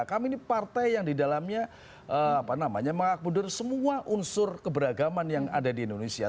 kami ini partai yang didalamnya mengakmudir semua unsur keberagaman yang ada di indonesia